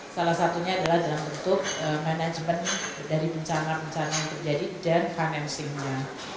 salah satunya adalah dalam bentuk manajemen dari bencana bencana yang terjadi dan financingnya